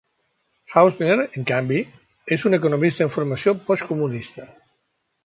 Hausner, en canvi, és un economista de formació postcomunista.